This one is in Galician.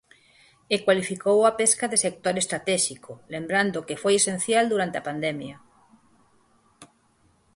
E cualificou a pesca de sector estratéxico, lembrando que foi esencial durante a pandemia.